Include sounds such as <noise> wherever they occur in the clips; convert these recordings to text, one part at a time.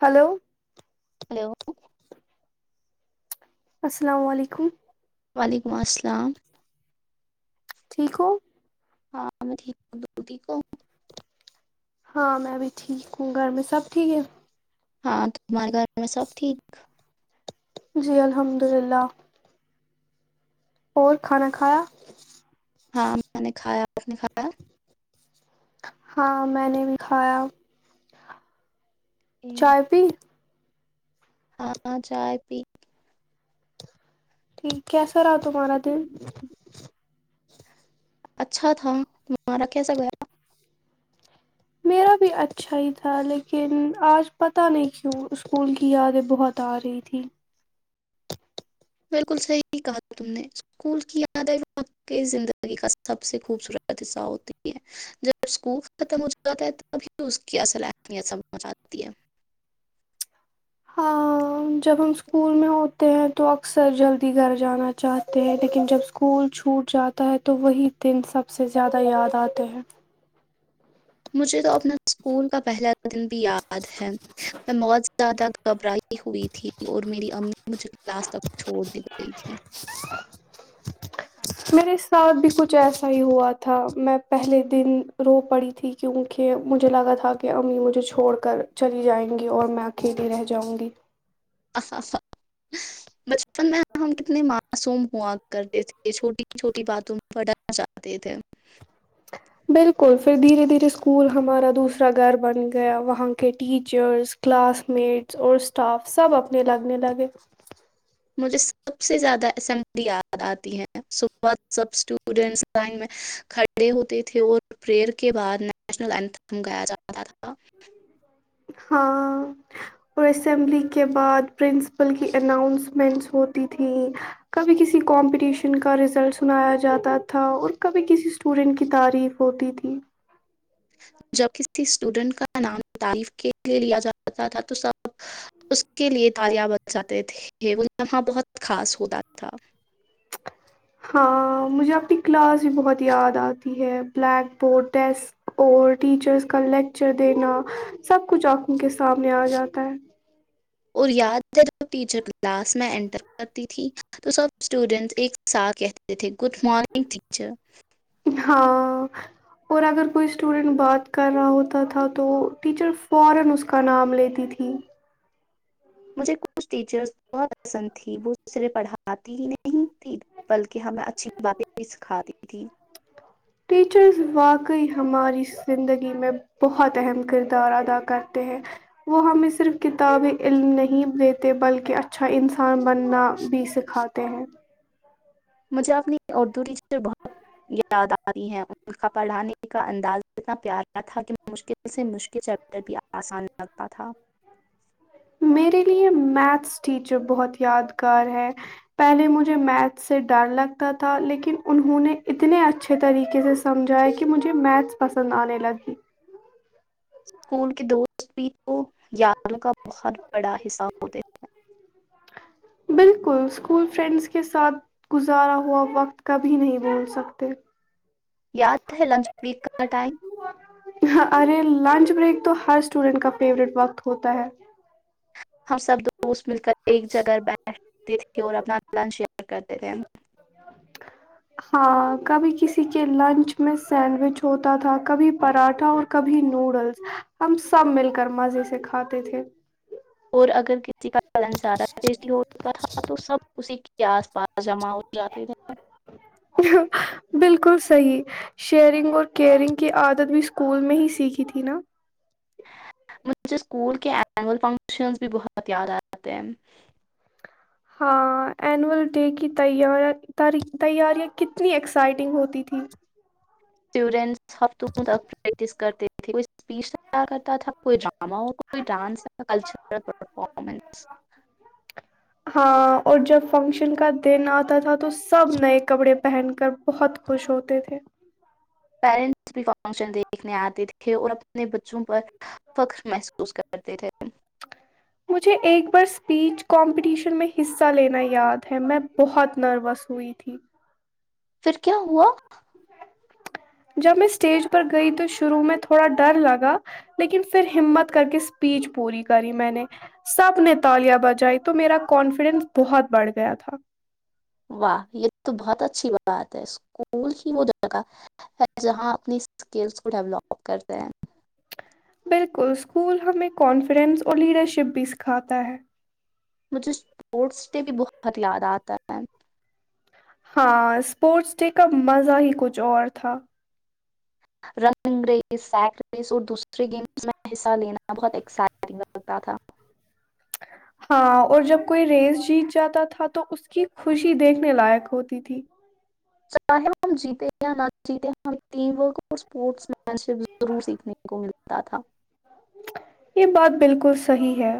Hello hello السلام علیکم و ععلیکم السلام ٹھیک ہو ہاں میں ٹھیک کووں ہاں میں بھی ٹھیک ہوں گھر میں سب ٹھیک ہے ہاں ہمارے گھر میں سب ٹھیک جی الحمد للہ اور کھانا کھایا ہاں میں نے کھایا آپ نے کھایا ہاں میں نے بھی کھایا ٹھیک۔ چائے پی ہاں چائے پی ٹھیک کیسا رہاؤ تمہارا دل اچھا تھا وہ رکھے سو میرا بھی اچھا ہی تھا لیکن آج پتہ نہیں کیوں اسکول کی یادیں بہت آ رہی تھھی بالکل صحیح کہا تھا تم نے اسکول کی یاد ہے و کی زندگی کا سب سے خوبصورت حصہ ہوتی ہے جب اسکول ختم ہو جاتا ہے تبھی اس کی اصل اہمیت سبھ جاتی ہے ہ جب ہم اسکول میں ہوتے ہیں تو اکثر جلدی گھر جانا چاہتے ہیں لیکن جب اسکول چھوٹ جاتا ہے تو وہی دن سب سے زیادہ یاد آتے ہیں مجھے تو اپنا اسکول کا پہلا دن بھی یاد ہے میں بہت زیادہ گھبرائی ہوئی تھی اور میری امی مجھے کلاس تک چھوڑنے گئی تھیں میرے ساتھ بھی کچھ ایسا ہی ہوا تھا میں پہلے دن رو پڑی تھی کیونکہ مجھے لگا تھا کہ امی مجھے چھوڑ کر چلی جائیں گی اور میں اکیلی رہ جاؤں گی <unintelligible> س میں ہم کتنے معصوم خگ کرتے تھے چھوٹی چھوٹی باتوں پٹانا چاہتے تھے بالکل پھر دھیرے دھیرے اسکول ہمارا دوسرا گھر بن گیا وہاں کے ٹیچرس کلاس میٹس اور اسٹاف سب اپنے لگنے لگے مجھے سب سے زیادہ اسمبلی یاد آتی ہے صبح سب اسٹوڈینٹس لائن میں کھڑے ہوتے تھے اور پریئر کے بعد نیشنل اتھم گایا جاتا تھا ہاں اور اسمبلی کے بعد پرنسپل کی اناؤنسمنٹس ہوتی تھیں کبھی کسی کمپٹیشن کا رزلٹ سنایا جاتا تھا اور کبھی کسی اسٹوڈنٹ کی تعریف ہوتی تھی جب کسی اسٹوڈنٹ کا نام تعریف کے لیے لیا جاتا تھا تو سب اس کے لیے تالیا ب جاتے تھے وہ یہاں بہت خاص ہوتا تھا ہاں مجھے اپنی کلاس بھی بہت یاد آتی ہے بلیک بورڈ ڈیسک اور ٹیچرس کا لیکچر دینا سب کچھ آنکھوں کے سامنے آ جاتا ہے اور یاد ج ج ٹیچر کلاس میں انٹر کرتی تھی تو سب اسٹوڈینٹس ایک ساتھ کہتے تھے گڈ مارنگ ٹیچر ہاں اور اگر کوئی اسٹوڈینٹ بات کر رہا ہوتا تھا تو ٹیچر فوران اس کا نام لیتی تھی مجھے کچھ ٹیچرز بہت پسند تھیں وہ صرےف پڑھاتی ہی نہیں تیں بلکہ ہمیں اچھی باتیں بھی سکھاتی تھیں ٹیچرز واقعی ہماری زندگی میں بہت اہم کردار ادا کرتے ہیں وہ ہمیں صرف کتاب علم نہیں دیتے بلکہ اچھا انسان بننا بھی سکھاتے ہیں مجھے اپنی اردو ٹیچر بہت یاد آتی ہیں ان کا پڑھانے کا انداز اتنا پیارا تھا کہ مشکل سے مشکل چیپٹر بھی آسان لگتا تھا میرے لیے میتھس ٹیچر بہت یادگار ہے پہلے مجھے میتھس سے ڈر لگتا تھا لیکن انہوں نے اتنے اچھے طریقے سے سمجھاائے کہ مجھے میتھس پسند آنے لگی اسکول کے دوست بھی تو یادوں کا بہت بڑا حصہ ہوتے تھ ہیں بالکل اسکول فرینڈس کے ساتھ گزارا ہوا وقت کبھی نہیں بول سکتے یاد ہے لنچ بریک کا ٹائم ہ ارے لنچ بریک تو ہر اسٹوڈینٹ کا فیوریٹ وقت ہوتا ہے ہم سب دوست مل کر ایک جگہ بیٹھ اور اپنا للن شیئر کرتے تھے ہاں کبھی کسی کے لنچ میں سینڈوچ ہوتا تھا کبھی پراٹھا اور کبھی نوڈلس ہم سب مل کر مزے سے کھاتے تھے اور اگر کسی کا پن زیادہ بیزی ہو چکا تھا تو سب اسی کے آس پاس جمع ہو جاتے تھ بالکل صحی شیئرنگ اور کیئرنگ کی عادت بھی اسکول میں ہی سیکھی تھی نا مجھھے اسکول کے اینول فنکشنز بھی بہت یاد آتے ہیں ہاں اینول ڈے کی ت تیاریاں کتنی ایکسائٹنگ ہوتی تھی ورن ہفتوں تک پریکٹس کرتے کوئی اسپیچ کرتا تھا کوئی ڈرامہ ہو کوئی ڈانس کلچر پرفارمنس ہاں اور جب فنکشن کا دن آتا تھا تو سب نئے کپڑے پہن کر بہت خوش ہوتے تھے پیرنٹس فنکشن دیکھنے آتے تھے اور اپنے بچوں پر فخر محسوس کرتے تھے مجھے ایک بار اسپیچ کمپٹیشن میں حصہ لینا یاد ہے میں بہت نروس ہوئی تھی پھر کیا ہوا جب میں اسٹیج پر گئی تو شروع میں تھوڑا ڈر لگا لیکن پھر ہمت کر کے اسپیچ پوری کری میں نے سب نے تالیاں بجائی تو میرا کانفیڈینس بہت بڑھ گیا تھا واہ یہ تو بہت اچھی بات ہے اسکول ہی وہ جگہ ہے جہاں اپنی اسکلس کو ڈیولپ کرتے ہیں بالکل اسکول ہمیں کانفیڈینس اور لیڈر شپ بھی سکھاتا ہے مجھے اسپورٹس ڈے بھی بہت یاد آتا ہے ہاں اسپورٹس ڈے کا مزہ ہی کچھ اور تھا رننگ ریس سیک ریس اور دوسرے گیمز میں حصہ لینا بہت ایکسائٹنگ لگتا تھا ہاں اور جب کوئی ریس جیت جاتا تھا تو اس کی خوشی دیکھنے لائق ہوتی تھی چاہے وہ ہم جیتے یا نہ جیتے ہم ٹیم ورک اور اسپورٹس مین شپ ضرور سیکھنے کو ملتا تھا یہ بات بالکل صحی ہے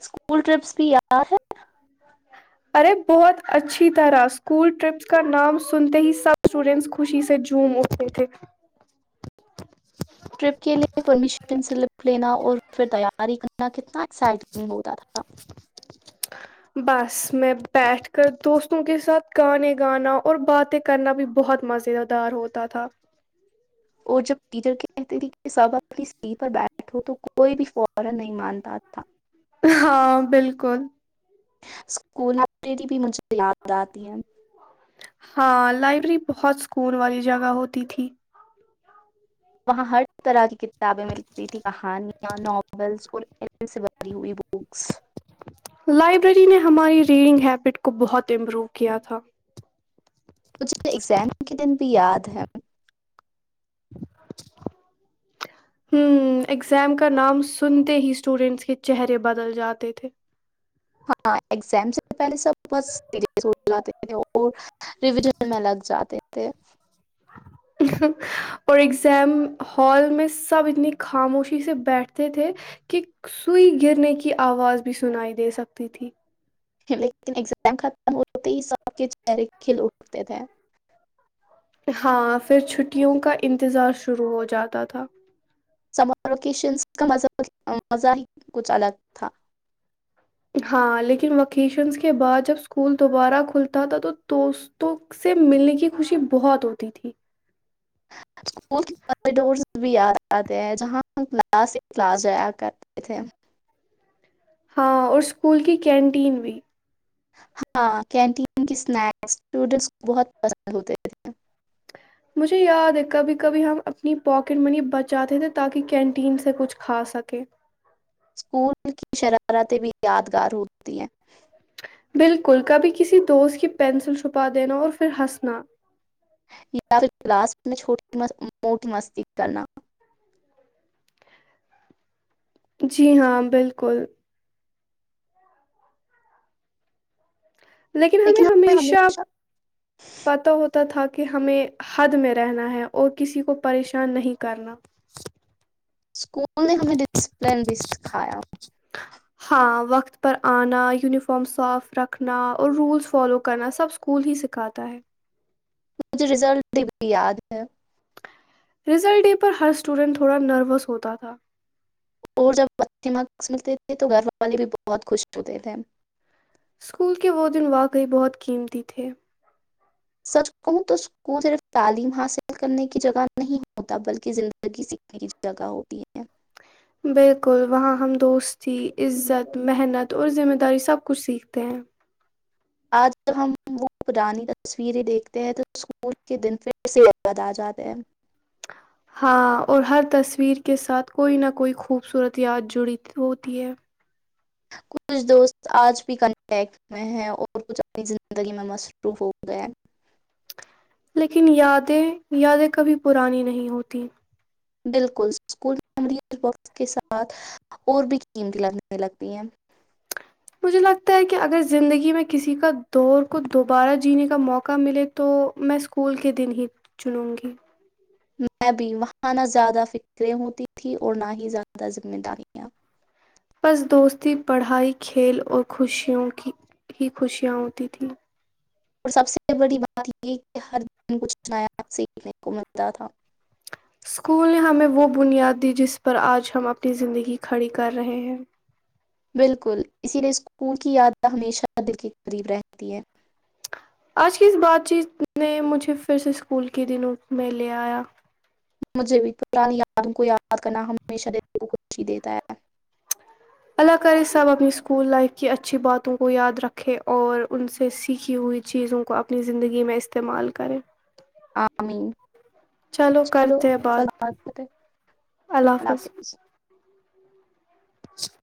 اسکول ٹرپس بھی یا ہے ارے بہت اچھی طرح اسکول ٹرپس کا نام سنتے ہی سب اسٹوڈینٹس خوشی سے جوم ہوتے تھے ٹرپ کےلئے پرمیشن سلپ لینا اور پھر تیاری کرنا کتنا ایکسائٹنگ ہوتا تھا بس میں بیٹھ کر دوستوں کے ساتھ گانے گانا اور باتیں کرنا بھی بہت مز دار ہوتا تھا اور جب ٹیچر کہتے تھی کہ سب اپنی سی پر بیٹھو تو کوئی بھی فورا نہیں مانتا تھا ہاں بالکل اسکول لائبریری بھی مجھے یاد آتی ہے ہاں لائبریری بہت سکون والی جگہ ہوتی تھی وہاں ہر طرح کی کتابیں ملتی تھی کہانیاں ناولس اور علم سے بری ہوئی بکس لائبریری نے ہماری ریڈنگ ہیبٹ کو بہت امپروو کیا تھا مجھے ایگزام کے دن بھی یاد ہے ہ اگزام کا نام سنتے ہی اسٹوڈینٹس کے چہرے بدل جاتے تھے ہاں ایگزام سے پہلے سب بس سیریس ہو جاتے تھے اور ریویژن میں لگ جاتے تھے اور ایگزام ہال میں سب اتنی خاموشی سے بیٹھتے تھے کہ سوئی گرنے کی آواز بھی سنائی دے سکتی تھی لیکن ایگزام ختم ہوتے ہی سب کے چہرے کھل اٹتے تھے ہاں پھر چھٹیوں کا انتظار شروع ہو جاتا تھا سمر ووکیشنز کا مزہ ہی کچھ الگ تھا ہاں لیکن وکیشنس کے بعد جب اسکول دوبارہ کھلتا تھا تو دوستوں سے ملنے کی خوشی بہت ہوتی تھی کوریڈورس بھی آ جاتے ہیں جہاں ہم کلاس ہی کلاس جایا کرتے تھے ہاں اور اسکول کی کینٹین بھی ہاں کینٹین کی اسنیکس اسٹوڈینٹس کو بہت پسند ہوتے تھے مجھے یاد ہے کبھی کبھی ہم اپنی پاکٹ منی بچاتے تھے تاکہ کینٹین سے کچھ کھا سکیں اسکول کی شرارتیں بھی یادگار ہوتی ہیں بالکل کبھی کسی دوست کی پینسل چھپا دینا اور پھر ہنسنا یا پھر کلاس میں چھوٹی موٹی مستی کرنا جی ہاں بالکل لیکن ہمیں ہمیشہ پتا ہوتا تھا کہ ہمیں حد میں رہنا ہے اور کسی کو پریشان نہیں کرنا اسکول نے ہمیں ڈسپلن بھی سکھایا ہاں وقت پر آنا یونیفارم صاف رکھنا اور رولس فالو کرنا سب اسکول ہی سکھاتا ہے مجھے رزلٹ یاد ہے رزلٹ ڈے پر ہر اسٹوڈنٹ تھوڑا نروس ہوتا تھا اور جب ب م ملتے تھے تو گھر والے بھی بہت خوش ہوتے تھے سکول کے وہ دن واقعی بہت قیمتی تھے سچ کہوں تو اس کو صرف تعلیم حاصل کرنے کی جگہ نہیں ہوتا بلکہ زندگی سیکھنے کی جگہ ہوتی ہے بالکل وہاں ہم دوست تھی عزت محنت اور ذمہ داری سے سب کچھ سیکھتے ہیں آج جب ہم وہ پرانی تصویریں دیکھتے ہیں تو اسکول کے دن پھر سے یاد آ جاتے ہیں ہاں اور ہر تصویر کے ساتھ کوئی نہ کوئی خوبصورت یاد جڑی ہوتی ہے کچھ دوست آج بھی کنٹیکٹ میں ہیں اور کچھ اپنی زندگی میں مصروف ہو گئے لیکن یادیں یادیں کبھی پرانی نہیں ہوتی بالکل اسکول مم وس کے ساتھ اور بھی قیمتییں لگنےنے لگتی ہیں مجھے لگتا ہے کہ اگر زندگی میں کسی کا دور کو دوبارہ جینے کا موقع ملے تو میں اسکول کے دن ہی چنوں گی میں بھی وہاں نہ زیادہ فکرے ہوتی تھیں اور نہ ہی زیادہ ذمہ داریاں بس دوستی پڑھائی کھیل اور خوشیوں کی ہی خوشیاں ہوتی تھیں اور سب سے بڑی بات یہ کہ ہر دن کچھ نناایات سیکھنے کو ملتا تھا سکول نے ہمیں وہ بنیاد دی جس پر آج ہم اپنی زندگی کھڑی کر رہے ہیں بالکل اسی لیے اسکول کی یاد ہمیشہ دل کے قریب رہتی ہیں آج کی اس بات چیت نے مجھے پھر سے اسکول کے دنوں میں لے آیا مجھے بھی پرانی یادوں کو یاد کرنا ہمیشہ دل کو خوشی دیتا ہے اللہ کرے سب اپنی اسکول لائف کی اچھی باتوں کو یاد رکھے اور ان سے سیکھی ہوئی چیزوں کو اپنی زندگی میں استعمال کریں عمی چلو کرتے ہیں بات کرتے ہیں اللہ حافظ <inaudible>